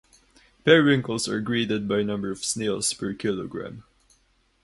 Periwinkles are graded by number of snails per kilogram.